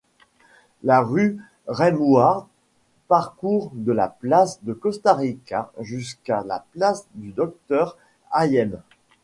La rue Raynouard parcourt de la place de Costa-Rica jusqu'à la place du Docteur-Hayem.